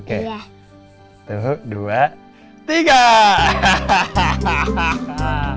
oke dua tiga hahaha